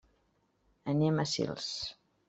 Anem a Sils.